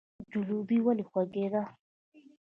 جلبي ولې خوږه ده؟